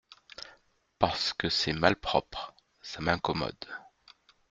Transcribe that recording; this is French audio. Parce que c’est malpropre ; ça m’incommode…